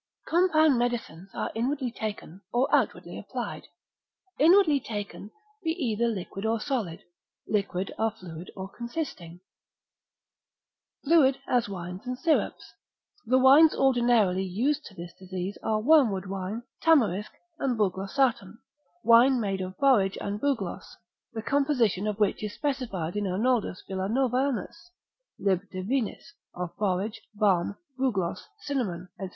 Compound medicines are inwardly taken, or outwardly applied. Inwardly taken, be either liquid or solid: liquid, are fluid or consisting. Fluid, as wines and syrups. The wines ordinarily used to this disease are wormwood wine, tamarisk, and buglossatum, wine made of borage and bugloss, the composition of which is specified in Arnoldus Villanovanus, lib. de vinis, of borage, balm, bugloss, cinnamon, &c.